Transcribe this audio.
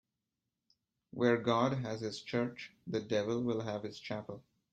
Where God has his church, the devil will have his chapel.